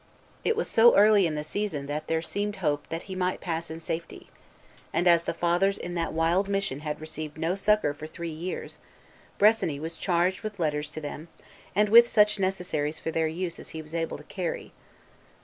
It was so early in the season that there seemed hope that he might pass in safety; and as the Fathers in that wild mission had received no succor for three years, Bressani was charged with letters to them, and such necessaries for their use as he was able to carry.